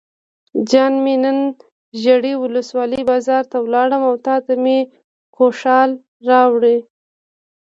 جان مې نن ژرۍ ولسوالۍ بازار ته لاړم او تاته مې ګوښال راوړل.